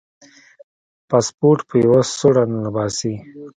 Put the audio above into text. پاسپورټ په یوه سوړه ننباسي.